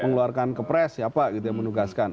mengeluarkan ke pres ya pak gitu ya menugaskan